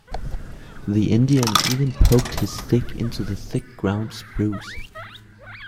The Indian even poked his stick into the thick ground spruce.